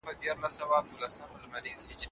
مغزیات د حافظې لپاره ګټور دي.